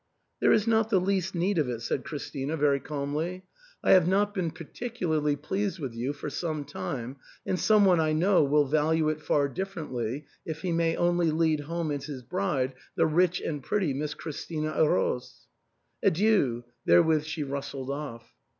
" There is not the least need of it," said Christina very calmly. ARTHUR'S HALL, 351 " I have not been particularly pleased with you for some time, and some otie I know will value it far dif ferently if he may only lead home as his bride the rich and pretty Miss Christina Roos. Adieu !" Therewith she rustled off.